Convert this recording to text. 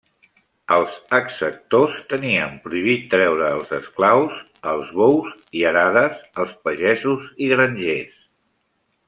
Els exactors tenien prohibit treure els esclaus, els bous i arades als pagesos i grangers.